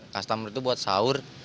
customer itu buat sahur